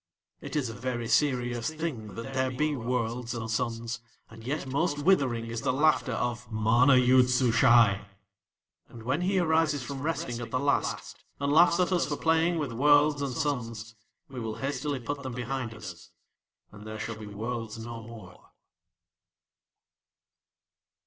"It is a very serious thing that there be Worlds and Suns, and yet most withering is the laughter of MANA YOOD SUSHAI. "And when he arises from resting at the Last, and laughs at us for playing with Worlds and Suns, We will hastily put them behind us, and there shall be Worlds no more."